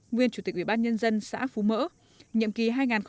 nguyên chủ tịch ủy ban nhân dân xã phú mỡ nhiệm kỳ hai nghìn một mươi hai nghìn một mươi năm